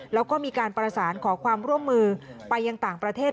แล้วก็มีการประสานขอความร่วมมือไปยังต่างประเทศ